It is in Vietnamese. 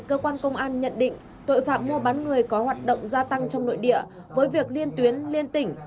cơ quan công an nhận định tội phạm mua bán người có hoạt động gia tăng trong nội địa với việc liên tuyến liên tỉnh